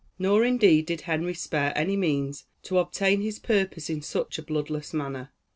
Nor, indeed, did Henry spare any means to obtain his purpose in such a bloodless manner.